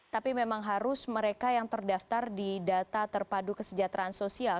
tapi memang harus mereka yang terdaftar di data terpadu kesejahteraan sosial